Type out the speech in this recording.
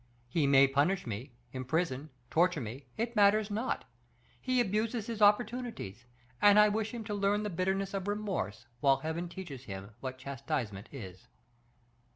He may punish me, imprison, torture me, it matters not. He abuses his opportunities, and I wish him to learn the bitterness of remorse, while Heaven teaches him what chastisement is."